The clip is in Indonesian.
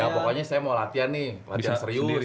ya pokoknya saya mau latihan nih latihan serius